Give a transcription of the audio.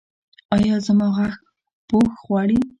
ایا زما غاښ پوښ غواړي؟